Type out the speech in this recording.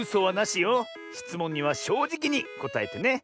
しつもんにはしょうじきにこたえてね。